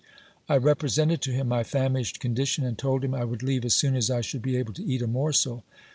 I rep resented to him my famished condition, and told him I would leave as soon as I should bo able to eat a morsel.